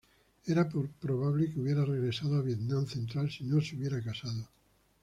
Era probable que hubiera regresado a Vietnam central si no se hubiera casado.